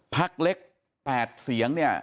พักเล็ก๘เสียงเนี่ย